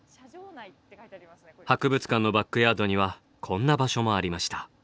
博物館のバックヤードにはこんな場所もありました。